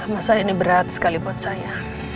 masa ini berat sekali buat saya